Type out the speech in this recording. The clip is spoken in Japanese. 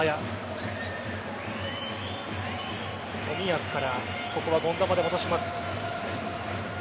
冨安からここは権田まで戻します。